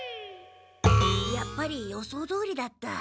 やっぱり予想どおりだった。